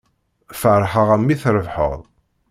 Feṛḥeɣ-am mi trebḥeḍ.